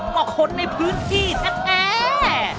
ก็คนในพื้นที่แท้